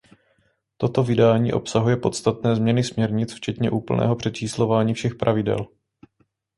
Toto vydání obsahuje podstatné změny směrnic včetně úplného přečíslování všech pravidel.